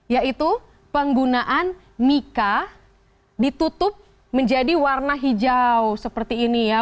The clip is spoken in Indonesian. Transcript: yaitu penggunaan mica ditutup menjadi warna hijau seperti ini ya